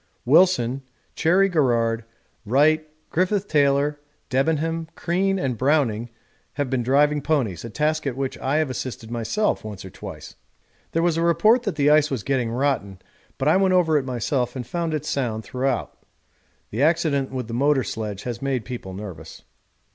Wilson, Cherry Garrard, Wright, Griffith Taylor, Debenham, Crean, and Browning have been driving ponies, a task at which I have assisted myself once or twice. There was a report that the ice was getting rotten, but I went over it myself and found it sound throughout. The accident with the motor sledge has made people nervous.